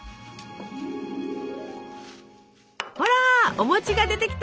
ほらお餅が出てきた！